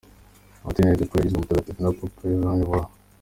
Martín de Porres yagizwe mutagatifu na Papa Yohani wa .